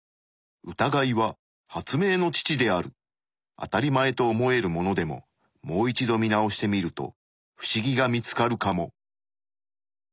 あたりまえと思えるものでももう一度見直してみるとフシギが見つかるかも。